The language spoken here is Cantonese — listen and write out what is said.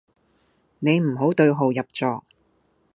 你唔好對號入座